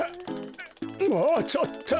もうちょっと！